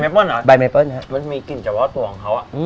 ไมเปิ้ลหรอไมเปิ้ลนะครับมันมีกลิ่นเฉพาะตัวของเขาอ่ะอืม